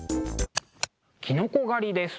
きのこ狩りです。